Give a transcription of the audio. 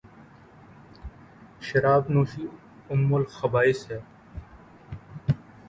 شراب نوشی ام الخبائث ہےـ